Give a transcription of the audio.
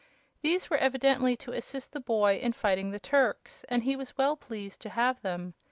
These were evidently to assist the boy in fighting the Turks, and he was well pleased to have them.